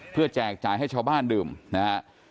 แจกจ่ายให้ชาวบ้านดื่มนะฮะ